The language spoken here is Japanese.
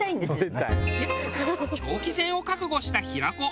長期戦を覚悟した平子。